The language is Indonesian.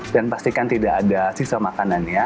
dan pastikan tidak ada sisa makanannya